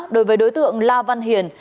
đối với đối tượng la văn hiền